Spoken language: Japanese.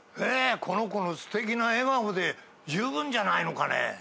この子のすてきな笑顔で十分じゃないのかね。